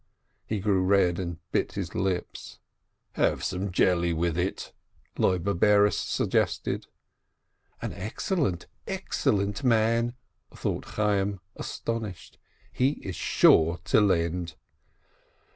He grew red and bit his lips. "Have some jelly with it!" Loibe Bares suggested. "An excellent man, an excellent man !" thought Chay yim, astonished. "He is sure to lend."